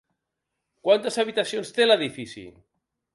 Quantes habitacions té l'edifici?